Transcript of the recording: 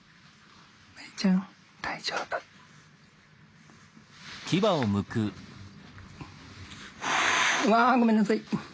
まりちゃん大丈夫。わごめんなさい。